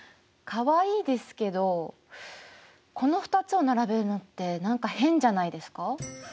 かわいいですけどこの２つを並べるのって何か変じゃないですか？